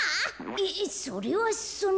えっそれはその。